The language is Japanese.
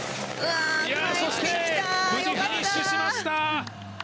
そして無事フィニッシュしました。